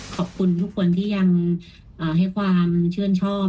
ขอบคุณทุกคนที่ยังให้ความชื่นชอบ